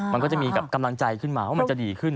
มันก็จะมีกำลังใจขึ้นมาว่ามันจะดีขึ้น